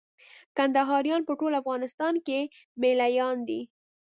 کندهاريان په ټول افغانستان کښي مېله يان دي.